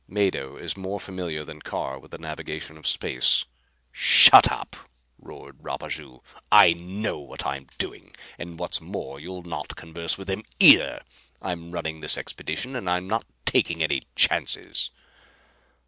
Mado is more familiar than Carr with the navigation of space." "Shut up!" roared Rapaju. "I know what I am doing. And, what's more, you'll not converse with them, either! I'm running this expedition, and I'm not taking any chances."